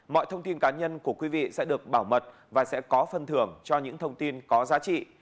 mọi thông tin cá nhân của quý vị sẽ được bảo mật và sẽ có phân thưởng cho những thông tin có giá trị